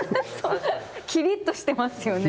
きりっとしてますよね。